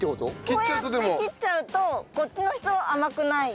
こうやって切っちゃうとこっちの人甘くない。